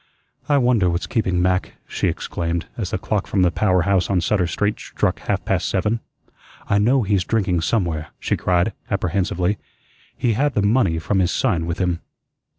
"I wonder what's keeping Mac," she exclaimed as the clock from the power house on Sutter Street struck half past seven. "I KNOW he's drinking somewhere," she cried, apprehensively. "He had the money from his sign with him."